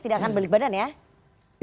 tidak akan balik badan ya